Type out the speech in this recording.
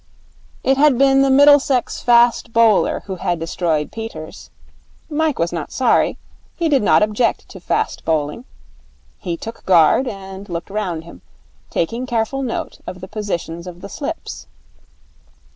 It had been the Middlesex fast bowler who had destroyed Peters. Mike was not sorry. He did not object to fast bowling. He took guard, and looked round him, taking careful note of the positions of the slips.